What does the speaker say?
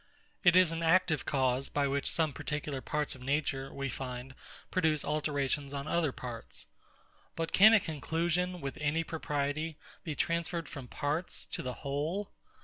It is an active cause, by which some particular parts of nature, we find, produce alterations on other parts. But can a conclusion, with any propriety, be transferred from parts to the whole?